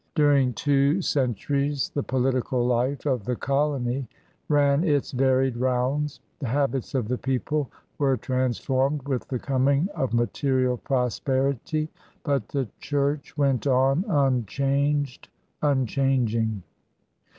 During two centuries the political life of the colony ran its varied roimds; the habits of the people were transformed with the coming of material prosperity; but the Church went on unchanged, unchanging.